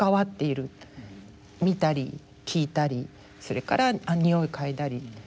見たり聞いたりそれからにおい嗅いだり。